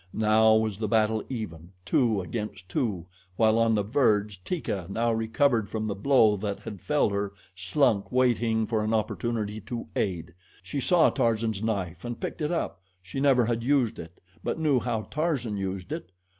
Now was the battle even two against two while on the verge, Teeka, now recovered from the blow that had felled her, slunk waiting for an opportunity to aid. She saw Tarzan's knife and picked it up. She never had used it, but knew how Tarzan used it.